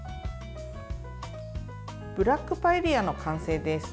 ブラックパエリアの完成です。